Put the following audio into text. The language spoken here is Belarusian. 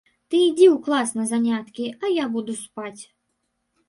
Ты ідзі ў клас на заняткі, а я буду спаць.